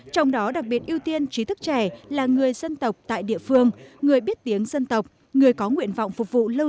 trong đó đặc biệt ưu tiên trí thức trẻ là người dân tộc tại địa phương người biết tiếng dân tộc người có nguyện vọng phục vụ lâu đời